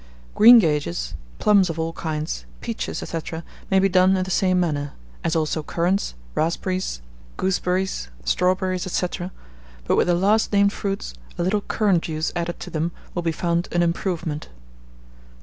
Greengages, plums of all kinds, peaches, &c., may be done in the same manner, as also currants, raspberries, gooseberries, strawberries, &c. but with the last named fruits, a little currant juice added to them will be found an improvement.